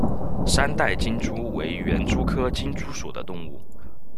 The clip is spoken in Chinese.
三带金蛛为园蛛科金蛛属的动物。